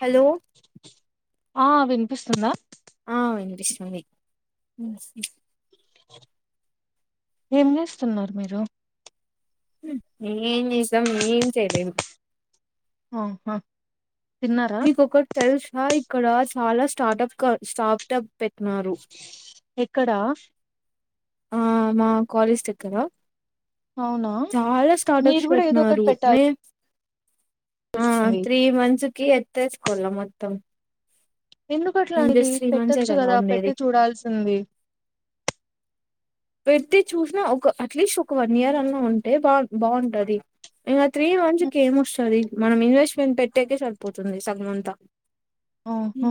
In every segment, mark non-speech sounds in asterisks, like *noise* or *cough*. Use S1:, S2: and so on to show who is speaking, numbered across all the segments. S1: Hello
S2: ఆ వినిపిస్తుందా
S1: పిస్తుంది మ్మ్
S2: ఏం చేస్తున్నారు మీరు
S1: మీ నిసం ఏం చెయ్యలేము
S2: ఆహా తిన్నారా
S1: మీ కోకట్ తెల్సా ఇ ఇక్కడ చాలా స్టార్ట్ప్ క్ స్టార్ట్ప్
S2: ఎక్కడ
S1: ఆ మా కాలేజ్ దగ్గర
S2: అవునా
S1: చాలా
S2: మీరు
S1: స్టార్టర్స్
S2: కూడా ఏదో ఒకటి
S1: పెట్టినారు నే ఆ
S2: పెట్టాల్సింది
S1: త్రీ మంత్స్ కి ఎత్తేస్ కొల్ల మొత్తం
S2: ఎందుకట్లా
S1: నేను
S2: అండి
S1: జస్ట్ త్రీ మంత్సే
S2: పెట్టొచ్చు కదా
S1: ఉండేది
S2: పెట్టి చూడాల్సింది
S1: పెట్టి చూసినా ఒక అట్లీస్ట్ ఒక వన్ ఇయర్ అన్నా ఉంటే బా బాగుంటది త్రీ మంత్స్
S2: హ్మ్.
S1: కి ఏం వస్తది మనం ఇన్వెస్ట్ నేను పెట్టేకె సరిపోతుంది సగం అంతా
S2: ఆహా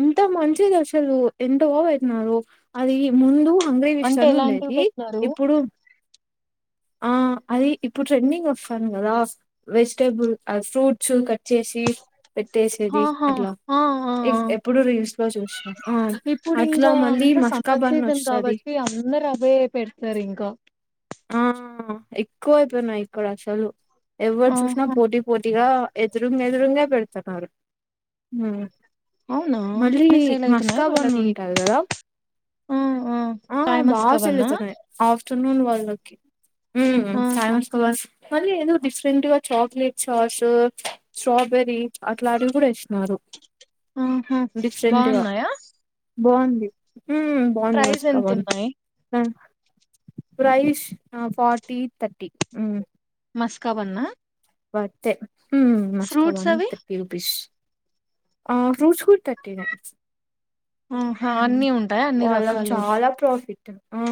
S1: ఎంత మంచిది అసలు ఎంత బాగా అవుతున్నారు అది ముందు ఉండేవి
S2: అంటే
S1: ఇస్తాను అని
S2: ఎలాంటివి
S1: అన్నాదీ
S2: పెట్టినారు
S1: ఇప్పుడు ఆ అది ఇప్పుడు ట్రెండింగ్ వస్తాంది కదా వెజిటేబుల్ ఫ్రూట్స్ కట్ చేసి పెట్టేసేది
S2: ఆహా
S1: అట్లా
S2: ఆ ఆ ఆ
S1: ఎప్పుడు రీల్స్ లో చూసినా ఆ
S2: ఇప్పుడు
S1: అట్లా
S2: ఇంకా
S1: మళ్ళీ
S2: అంత సమ్మర్
S1: మస్కాబన్
S2: సీజన్
S1: వస్తది
S2: కాబట్టి అందరు అవ్వే పెడతారు ఇంకా
S1: ఆ ఎక్కువయిపోయినాయి ఇక్కడ అసలు ఎవ్వరు చూసినా
S2: ఆహా
S1: పోటీ పోటీగా ఎదురుంగే ఎదురుంగే పెడుతాన్నారు
S2: అవునా
S1: మళ్ళీ
S2: అన్ని సేల్ అయితున్నాయా
S1: మస్కాబన్
S2: వాళ్ళకి
S1: ఉంటారు కదా
S2: ఆ
S1: ఆ
S2: చాయ్
S1: బాగా
S2: మస్కా
S1: సేల్
S2: బన్నా
S1: అవుతున్నాయి ఆఫ్టా *inaudible* వాళ్ళ ఓకే మ్మ్ హ్మ్ చాయ్
S2: ఆహా
S1: మస్కాబన్ మరీ ఏదో డిఫరెంట్ గా చాక్లెట్ సాస్ స్ట్రాబెర్రీ అట్లాంటివి కూడా ఇస్తున్నారు
S2: ఆహ బాగున్నాయా
S1: బావుంది మ్మ్ బాగుంది
S2: ప్రైస్
S1: కావచ్చు కాబడి
S2: ఎంతున్నాయి
S1: ప్రైస్ ఆ ఫార్టీ థర్టీ మ్మ్
S2: మస్కాబన్నా
S1: డాక్టర్ ఉమ్
S2: ఫ్రూట్స్
S1: మస్కాబన్
S2: అవి
S1: థర్టీ రూపీస్ ఆ ఫ్రూట్స్ కూడా థర్టీనే
S2: ఆహా అన్ని ఉంటాయ అన్ని
S1: వాళ్ళకి
S2: రకాలు
S1: చాలా ప్రాఫిట్. ఆ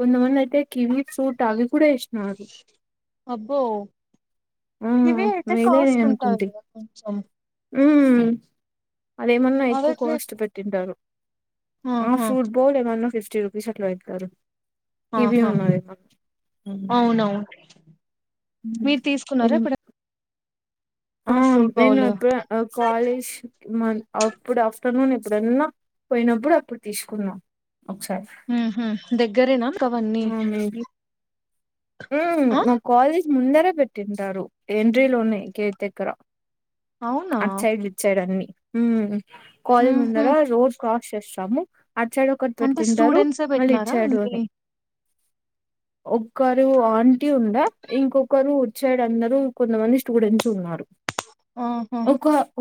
S1: కొంతమంది అయితే కివీక్క్ స్ టావి కూడా వేసినారు
S2: అబ్బో
S1: ఆ!
S2: కివి అయితే
S1: మేలే
S2: కాస్ట్ ఉంటాది
S1: అనుకుంటి.
S2: కదా కొంచెం
S1: హ్మ్ అదేమన్నా ఎక్కువ
S2: అవట్లే
S1: కాస్ట్ పెట్టింటారు ఆ
S2: ఆహా
S1: ప్రూట్ బొలేద మినిమం ఫిఫ్టీ రూపీస్ అట్లా చెప్తారు
S2: ఆహా అవునవును మీరు తీసుకున్నారా ఇప్పుడు
S1: ఆ నేను అప్పుడు కాలేజ్ మ అప్పుడు ఆఫ్టర్నూన్ ఎప్పుడన్నా పోయినప్పుడు అక్కడ తీసుకున్న
S2: హుమ్ హు గరెన కవన్నీ
S1: హుమ్ మా కాలేజ్ ముందరే పెట్టించారు ఏంట్రీలోనే గేట్ దగ్గరా
S2: అవునా
S1: అట్ సైడ్ ఇట్ సైడ్ అన్ని హుమ్ కాలేజ్
S2: ఉహు
S1: ముందర రోడ్ క్రాస్ చేస్తము అట్ సైడ్ ఒకటి
S2: అంటే
S1: పెట్టింటారు
S2: స్టూడెంట్సే
S1: మళ్ళీ ఇట్
S2: పెట్టినారా
S1: సైడ్ ఒ
S2: అన్ని
S1: ఒక్ ఒకరు ఆంటీ ఉండ ఇంకొకరు ఇట్ సైడ్ అందరు కొంతమంది స్టూడెంట్స్ ఉన్నారు
S2: ఆహా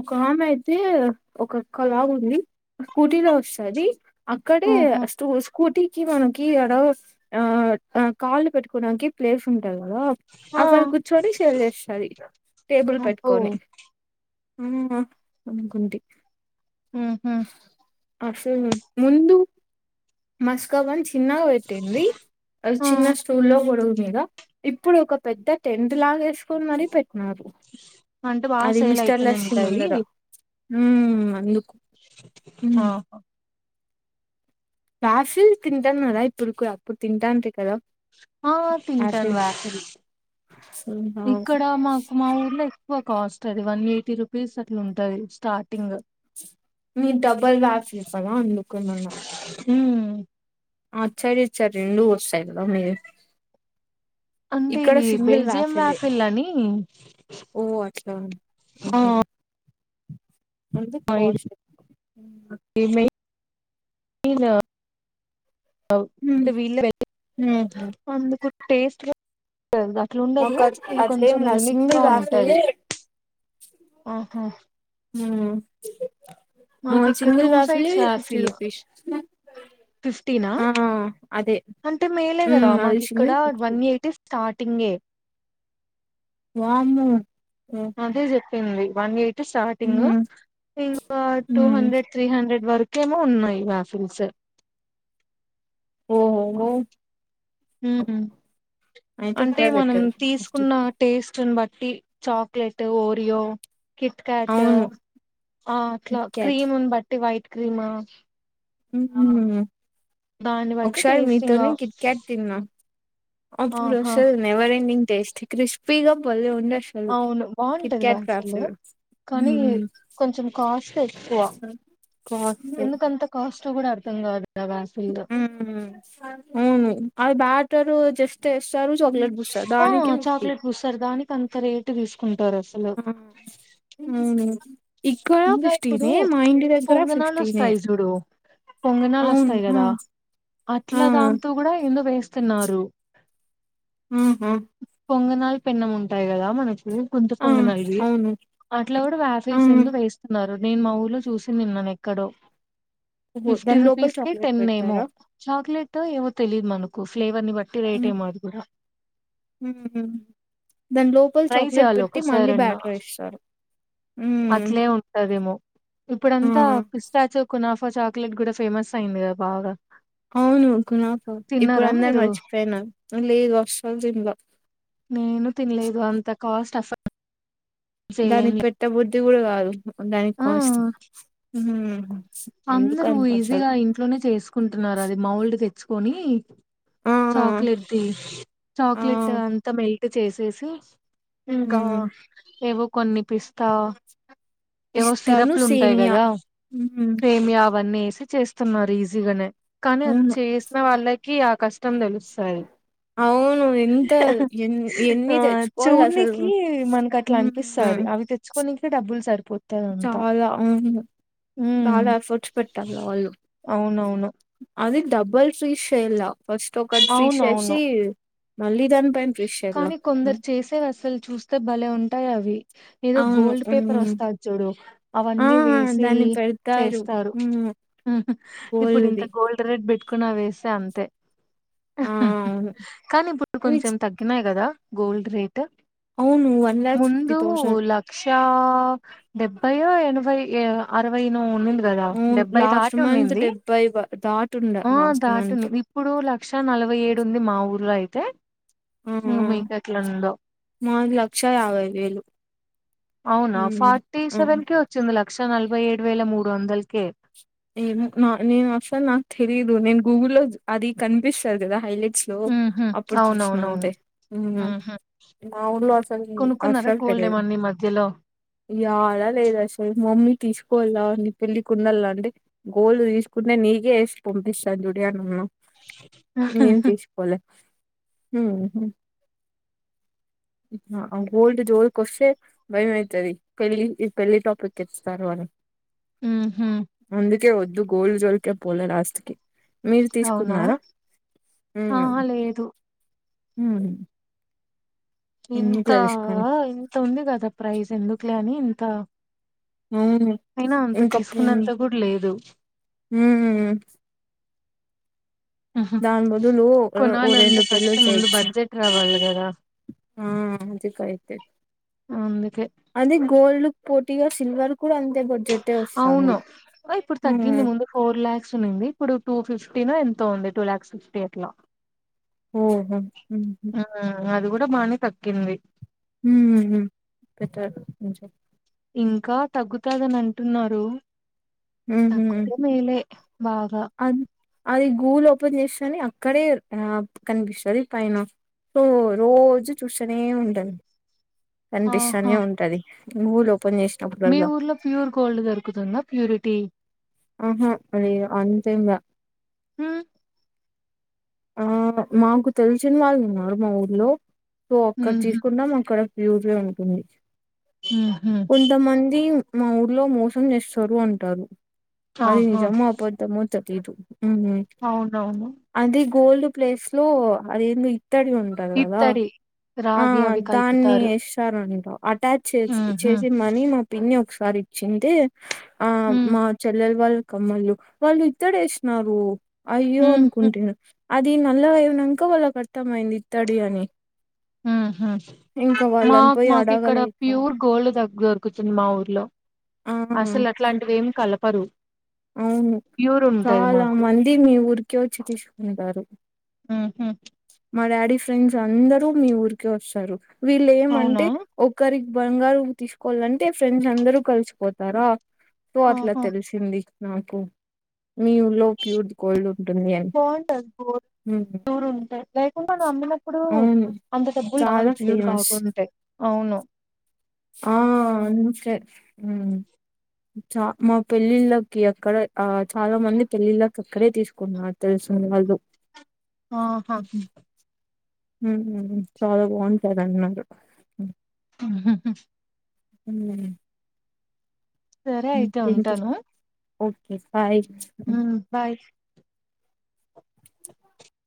S1: ఒక ఆమె ఐతే ఒక కలా ఉంది స్కూటీ లో వస్తది అక్కడే
S2: ఆహా
S1: స్టు స్కూటీ మనకి మనకి ఆడ ఆ కాలు పెట్ కొడానికి ప్లేస్ ది కదా
S2: ఆ
S1: అక్కడ కూర్చుని సేల్ చేస్తది టేబుల్
S2: అబ్బో
S1: పెట్టుకొని ఆ అనుకుంటి
S2: హు హు
S1: అసలు ముందు మస్క మంచ్ చిన్నగా పెట్టింది అది
S2: ఆ
S1: చిన్న స్టూల్ లో పొడుగు గా ఇప్పుడు ఒక పెద్ద టెంట్ లాగ ఏసుకొని మరి పెట్ కాదు
S2: అంటే బాగా
S1: అది
S2: సేల్
S1: మిస్టర్
S2: అయితనే
S1: లస్సీ
S2: ఉంటాయి
S1: ముందర హు అందు
S2: పాపం
S1: రాఫిల్ తింటన్నరా ఇప్పటికీ గూడ అప్పుడు తింటంట్రి కదా
S2: ఆ తింటాను
S1: ఆపిల్స్
S2: ఆఫిల్స్ ఇక్కడ మాకు మా ఊర్లో ఎక్ కాస్ట్ అది వన్ ఎయ్టీ రూపీస్ అట్లుంటది స్టార్టింగే
S1: మీర్ డబల్ వాక్స్ చేస్తర్ గా అందుకనన్నా
S2: హుమ్
S1: ఆ సర ఇ సర రెండు వస్తాయి కద మీ
S2: అంటే ఇది బెల్జియం రాఫిల్ అని
S1: ఓ అట్లా
S2: ఆ
S1: అ కోశం
S2: తనా వీ వె
S1: మ్మ్
S2: టేస్ట్ గా అట్లు ఉండదు
S1: మాకు
S2: ఇది
S1: అట్లేం
S2: కొంచెం
S1: లా
S2: యూనిక్ గా
S1: సింగిల్
S2: ఉంటది.
S1: వాఫిలే
S2: ఆహ్ హ మాకు
S1: మ్మ్
S2: ఇక్కడ టూ
S1: సింగిల్ వాఫిలే
S2: సైడ్స్
S1: ఫిఫ్టీ
S2: రాసిల్
S1: రూపీస్
S2: ఫిఫ్టీనా.
S1: ఆ అదే
S2: అంటే మేలే కదా
S1: మ్మ్ అది
S2: మాకు ఇక్కడ
S1: single fifty
S2: one eighty start టీంగే
S1: వామ్మో ఓహ్!
S2: అదే జెప్పింది. వన్ ఎయిట్ స్టార్టింగ్
S1: హ్మ్
S2: ఇంకా టూ
S1: హ్మ్
S2: హండ్రెడ్, త్రీ హండ్రెడ్ వర్క్ కేమో ఉన్నాయి వాసిల్స్
S1: ఓహ్ హో
S2: ఉహ్
S1: అయితే
S2: అంటే
S1: ఇక్కడ
S2: మనం
S1: పెట్టారు
S2: తీసుకున్న టేస్ట్ని బట్టి టీ చాక్లెట్, ఓరియో కిట్కాట్
S1: అవును
S2: ఆ అట్లా
S1: కిట్ క్యాట్
S2: క్రీముని బట్టి వైట్ క్రిమ
S1: ఉహ్ హు
S2: బట్టి
S1: ఒకసారి
S2: టేస్టింగ్
S1: మీతోనే కిట్క్యాట్ తిన్నా. అప్పుడు
S2: ఆహా
S1: వస్తది నవర్ ఎడింగ్ టేస్ట్ క్రిస్పీగా భలే ఉంట్
S2: అవును బాగుంటది రా అస్సలు. కానీ
S1: హ్మ్
S2: కొంచెం కాస్ట్ ఎక్కువ ఎందుకంత కాస్ట్ కూడా అర్థం కాదు. ఆ వాసలు
S1: ఉహ్ ఉహ్మ్ అవి బాగ్ తారు జస్ట్ టెస్ట్ తరు చాక్లేట్ బుస్సార్ దానికే ఫిఫ్టీ
S2: కాంత రేటు తీసుకుంట్
S1: ఆహ్ ఉహ్మ్
S2: ఇంగా ఇప్పుడు
S1: దగ్గర
S2: పొంగనాలు
S1: ఫిఫ్టీనే
S2: వస్తాయి. చూడు పొంగనాలు
S1: అవును
S2: వస్తాయి
S1: ఆ
S2: కదా.
S1: ఆ
S2: అట్లా దాంతో కూడా ఎందొ వేస్త్ తిన్నారు
S1: హుం హొ
S2: పొంగనాలు పెన్నం ఉంటాయి కదా మనకి గుంత
S1: ఆ!
S2: పొంగనాలు ఇవి
S1: అవును.
S2: అట్లా కూడా వ్యా
S1: ఆ!
S2: వేసు నేను మా ఊలొ చూసి నిన్నా నను ఎక్కడో
S1: ఓహో!
S2: ఫిఫ్టీ
S1: దాని లోపల
S2: రూపీస్కే
S1: చాక్లేట్
S2: టెన్ ఏమో
S1: పెడతారా?
S2: చాక్లెట్ టో ఏమో తెలిలీదు మనకు ఫ్లే
S1: హు ఉం దాని లోపల
S2: ట్రై
S1: చాక్లేట్
S2: చేయాలి
S1: పెట్టి మళ్ళీ
S2: ఒకసారన్న
S1: బ్యాటర్ ఏస్తారు. హ్మ్.
S2: అట్లే ఉంటదేమో
S1: ఆ!
S2: ఇప్పుడంతా ఫిస్టాచ కొ నాఫాస చాక్లెట్ కూడా ఫేమస్ అయింది కదా బాగా
S1: అవునుకుణకు ఇప్పుడు
S2: తిన్నారా
S1: అందరు
S2: మీరు
S1: మర్చిపోయిన లేదు అసలు తింల
S2: నేను తినలేదు అంత కాస్ట్ అసలు
S1: దానికి పెట్ట బుద్ధి ఇది కూడా కాదు దానికి కోస్తా హు
S2: అందరు ఈజీగా ఇంట్లోనే చేసుకుంటున్నారు అది మౌల్డ్ తెచ్ కొనీ
S1: ఆ!
S2: చాక్లెట్దిి తిని
S1: ఆ!
S2: చాక్లెట్ అంతా మే చేసేసి ఇంకా
S1: హ్మ్.
S2: ఏవో కొన్ని పిస్తా
S1: ఇస్తాను సేమ్య
S2: సేమ్యా అవన్నీ ఏసీ చేస్తున్నారు ఈజీగానే కానీ అది
S1: అవును.
S2: చేసిన వాళ్లకి కి ఆ కష్టం తెలుసు సరే
S1: అవును. ఎంత ఎన్ ఎన్ని
S2: ఆ
S1: తెచ్చుకోవాలసలు.
S2: చూడ్నికి మనకు అట్లా అనిపిస్తుంది
S1: హ్మ్.
S2: అవి తెచ్చు కొని ఇంట్లో డబ్బులు సారి
S1: చాలా అవును
S2: ఉమ్
S1: చాలా ఎఫర్ట్స్ పెట్టాల వాళ్ళు
S2: అవునవును
S1: అది డబల్ ఫ్రీ షెల ఫస్ట్ ఒక ఒకటి తీసేసి
S2: అవునవును
S1: మళ్ళీ ఇదాని భైన ఫేస్ చేయాలా
S2: కానీ కొందరు చేసేవి అసలు చూస్తే భలే ఉంటాయి అవి ఏదో
S1: అవును
S2: గోల్డ్ పేపర్
S1: మ్మ్
S2: వస్తాది చూడు
S1: ఆ
S2: అవన్నీ వేసి
S1: దాన్ని పెడతారు
S2: చేస్తారు
S1: మ్మ్
S2: ఇప్పుడు ఇంత
S1: గోల్డ్ది
S2: గోల్డ్ రేట్ పెట్టు పక్కున వేస్తే అంతే
S1: ఆ అవును విజ్
S2: కదా గోల్డ్ రేట్
S1: అవును one lakh fifty thousand
S2: yeah డెబ్బై ఓ ఎనభై అరవైనో ఉనింది కదా
S1: అవును
S2: డెబ్బై
S1: లాస్ట్
S2: దాటి
S1: మంత్
S2: ఉనింది
S1: డెబ్బై వ- దాటుండ లాస్ట్
S2: దాటి
S1: మంత్
S2: ఇప్పుడు లక్ష నలభై ఏడు ఉంది మా ఊర్లో అయి తే
S1: హ్మ్ హ్మ్ మాది లక్ష యవై వేలు
S2: అవునా
S1: మ్మ్
S2: ఫార్టీ
S1: అవును
S2: సెవెన్ కి వచ్చిందిలా లక్ష నలభై ఏడు వేల మూడు వందలకే
S1: ఏ నా నేను అసలు నాకు తెలియదు నేను గూగుల్లో అది కనిపిస్తది కదా హైలైట్ సో
S2: హుహు.
S1: అప్పుడు చూసిన అంతే
S2: అవునవునవును. హుహు.
S1: మా ఊళ్లో అసలు
S2: కొనుక్కున్నారా
S1: అసలు
S2: గోల్డ్
S1: తెలియదు
S2: ఏమన్నా ఈ మధ్యలో?
S1: యాడ లేదు అసలు మమ్మీ తీసుకోలా ని పెళ్ళి కు ఉండళ్లా అండి గోల్డ్ తీసుకుంటే నీకే ఎసి పంపిస్తాను దుడియా అన్ను
S2: ఆ
S1: హ్మ్ గోల్డ్ జోల్కి వస్తే భయమైతది పెళ్లి పెళ్లి టాపిక్ ఎత్తుతారు అని
S2: హ్మ్ హు
S1: వద్దే వద్దు గోల్డ్ జోల్కె పోలే లాస్ట్ కి మీరు
S2: అవునా!
S1: తీసుకున్నారా హ్మ్
S2: ఆహా లేదు ఇంత
S1: ఎందుకులే రిస్క్ అని
S2: ఇంత ఇంతవుంది కదా ప్రైజ్ ఎందుకు లని ఇంత
S1: అవును
S2: అయినా అంత తీసుకున్నంత కూడా లేదు
S1: హ్మ్ హ్మ్
S2: ఉహు.
S1: దాని బదులు ఓ
S2: కొనాలంటే
S1: రెండు
S2: ఫస్ట్
S1: పెళ్లిలు
S2: ముందు
S1: చేయిచ్చు
S2: బడ్జెట్ రావాలి కదా
S1: ఆ అదికైతే
S2: అందుకే
S1: అదే గోల్డ్ పోటీగా సిల్వర్ కూడా అంతే బడ్జెటే
S2: అవును
S1: వస్తాంది
S2: ఇప్పుడు తగ్గింది
S1: హ్మ్.
S2: ముందు ఫోర్ లాక్స్ ఉనింది ఇప్పుడు టూ ఫిఫ్టీ న ఎంతో ఉంది టూ లాయాక్స్ ఫిఫ్టీ అట్లా
S1: ఓహో హ్మ్
S2: మాని తక్కింది
S1: హ్మ్ బెటర్ కొంచెం
S2: ఇంకా తగ్గుతాదని అంటున్నారు
S1: హ్మ్
S2: తగ్గుతే మేలే బాగా
S1: అది అది గూగుల్ ఓపెన్ చేస్తేనే అక్కడే ఆ కనిపిస్తుంది పైన సో రోజు చూస్తూనే ఉంటది
S2: ఆహా
S1: కనిపిస్తనే ఉంటది మూ లో
S2: మీ ఊర్లో ప్యూర్ గోల్డ్ దొరుకుతుందా ప్యూరిటీ
S1: ఆహా అది అంతే గా
S2: హ్మ్
S1: ఆ మాకు తెలిసిన వాళ్ళు ఉన్నారు మా ఊర్లో సో అక్కడ
S2: ఉహు
S1: తీసుకున్నాం అక్కడ యూజే ఉనుకుంది
S2: ఉహు
S1: కొంతమంది మా ఊర్లో మోసం చేస్తారు అంటారు అది
S2: ఆహా
S1: నిజమో అబద్దమో తేల్ త్రీ టు
S2: అవునవును
S1: గోల్డ్ ప్లేస్ లో అదేంది ఇత్తడిదుంటది కదా
S2: ఇత్తడి
S1: ఆ
S2: రాగి అవి
S1: దాన్ని
S2: కలుపుతారు
S1: ఎస్తారంట అటాచ్ చేసి
S2: ఉహు
S1: చేసి మనీ మా పిన్ని ఒక సారి ఇచ్చింటే ఆ మా చెల్లెలు వాళ్ళు కమ్మళ్లు వాళ్ళు ఇత్తడి ఏసినారు అయ్యో
S2: ఉహు
S1: అనుకుంటిన అది నల్లగా అయినంక వాళ్ళకు అర్థంమైంది ఇత్తడి అని
S2: హ్మ్ హ్మ్
S1: ఇంకా వాళ్ళని
S2: మాక్
S1: పోయి
S2: మాకు ఇక్కడ
S1: అడగలేక
S2: ప్యూర్ గోల్డ్ దగ్గ్ దొరుకుతుంది మా ఊర్లో
S1: ఆ
S2: అసలు అట్లాంటివి ఏమి కలప్ పరు
S1: అవును చాలా
S2: మాకు
S1: మంది మీ ఊరికి వచ్చి తీసుకుంటారు
S2: ఉహు
S1: మా డాడీ ఫ్రెండ్స్ అందరూ మీ ఊరికే వస్తారు
S2: అవునా
S1: వీళ్లేమంటే ఒకరి బంగారం తీసుకోవాలంటే ఫ్రెండ్స్‌ అందరూ కలిసిపోతారా సో అట్లా
S2: ఆహా
S1: తెలిసింది నాకు మీ ఊలో ప్యూర్ ద కోల్డ్
S2: బాగుంటది బ్యూర్ ప్యూర్ ఉంటాయి లేకుండా నమ్మినప్పుడు
S1: అవును
S2: అంత డబ్బులు కాదు
S1: చాలా
S2: ప్యూర్
S1: ఫేమస్
S2: కాకుంటే అవును
S1: ఆ అందుకే చ మా పెళ్ళిళ్ళకి అక్కడ ఆ చాలా మంది పెళ్ళిళ్ళకి అక్కడే తీసుకున్నారు తెలిసిన వాళ్ళు.
S2: ఆహ
S1: మ్మ్ హ్మ్ చాలా బాగుంటాదన్నారు
S2: అహ్హ హా
S1: హ్మ్
S2: సరే అయితే
S1: ఇంకేంటి
S2: ఉంటను
S1: ఓకే హాయ్